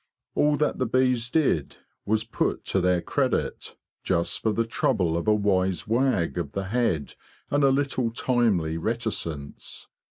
All that the bees did was put to their credit, just for the trouble of a wise wag of the head and a little timely reticence.